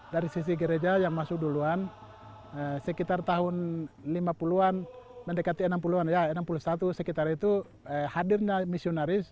dari sisi gereja yang masuk duluan sekitar tahun lima puluh an mendekati enam puluh an ya enam puluh satu sekitar itu hadirnya misionaris